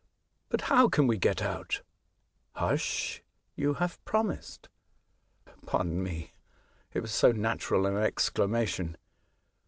But how can we get out ?"" Hush 1 you have promised." " Pardon me ; it was so natural an excla mation.